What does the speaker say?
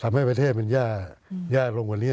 ทำให้ประเทศมันแย่ลงกว่านี้